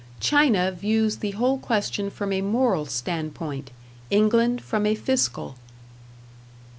China views the whole question from a moral standpoint, England from a fiscal.